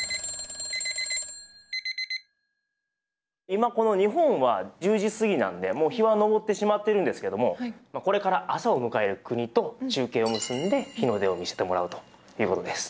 今この日本は１０時過ぎなんでもう日は昇ってしまってるんですけどもこれから朝を迎える国と中継を結んで日の出を見せてもらうということです。